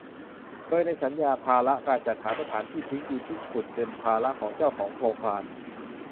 โดยในสัญญาภาระการจัดหาสถานที่ทิ้งดินที่ขุดเป็นภาระของเจ้าของโครงการ